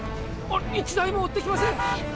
１台も追ってきません